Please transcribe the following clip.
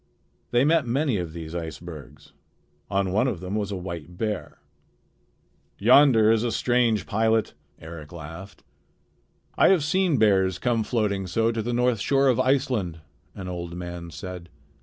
They met many of these icebergs. On one of them was a white bear. "Yonder is a strange pilot," Eric laughed. "I have seen bears come floating so to the north shore of Iceland," an old man said.